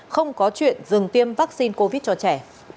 không có chuyện dừng tiêm vaccine covid một mươi chín cho trẻ